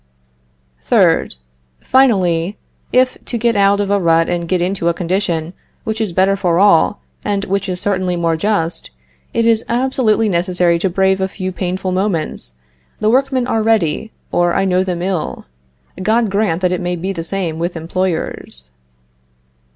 Third. Finally, if to get out of a rut and get into a condition which is better for all, and which is certainly more just, it is absolutely necessary to brave a few painful moments, the workmen are ready, or I know them ill. God grant that it may be the same with employers.